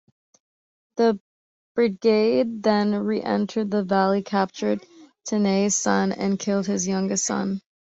The Brigade then re-entered the Valley, captured Tenaya's sons, and killed his youngest son.